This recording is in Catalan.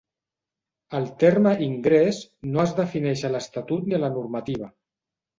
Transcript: El terme "ingrés" no es defineix a l'estatut ni a la normativa.